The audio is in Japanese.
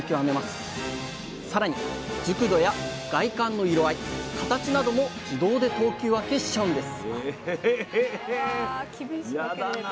さらに熟度や外観の色合い形なども自動で等級分けしちゃうんです